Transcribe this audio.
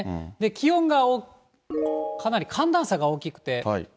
気温がかなり、寒暖差が大きくて。